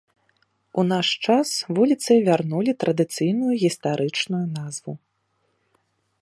У наш час вуліцы вярнулі традыцыйную гістарычную назву.